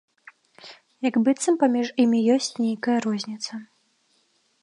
Як быццам паміж імі ёсць нейкая розніца.